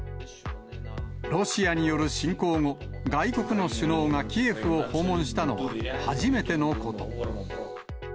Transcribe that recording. ロシアによる侵攻後、外国の首脳がキエフを訪問したのは、初めてのこと。